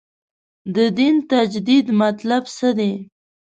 د دین تجدید مطلب څه دی.